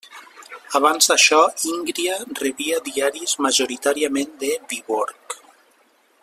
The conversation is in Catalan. Abans d'això, Íngria rebia diaris majoritàriament de Viborg.